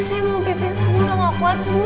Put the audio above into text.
saya mau pipin sepuluh gak kuat bu